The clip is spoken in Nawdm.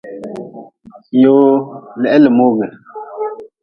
Yoo le he le mogi.